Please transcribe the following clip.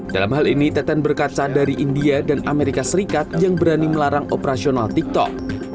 dalam hal ini teten berkaca dari india dan amerika serikat yang berani melarang operasional tiktok